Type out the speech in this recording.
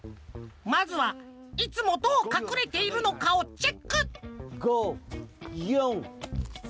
まずはいつもどうかくれているのかをチェック５４３２１。